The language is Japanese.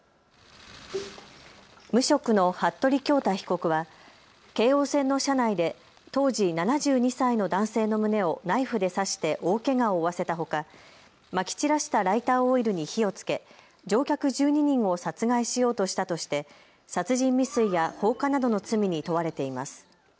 無職の服部恭太被告は京王線の車内で当時７２歳の男性の胸をナイフで刺して大けがを負わせたほか、まき散らしたライターオイルに火をつけ乗客１２人を殺害しようとしたとして殺人未遂や放火などの罪に問われています。